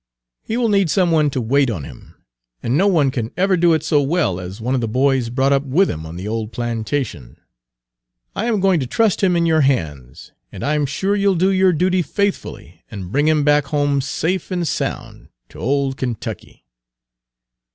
He will need some one to wait on him, and no one can ever do it so well as one of the boys brought up with him on the old plantation. I am going to trust him in your hands, and I'm sure you'll do your duty faithfully, and bring him back home safe and sound to old Kentucky."